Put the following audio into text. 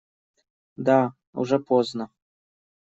Да, уже поздно.